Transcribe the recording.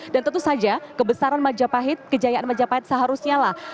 dan tentu saja kebesaran majapahit kejayaan majapahit seharusnya lah